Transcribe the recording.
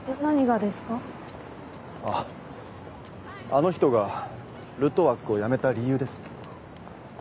あの人がルトワックを辞めた理由です。